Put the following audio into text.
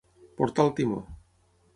Portar el timó.